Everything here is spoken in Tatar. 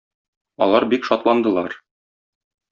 Алар бик шатландылар.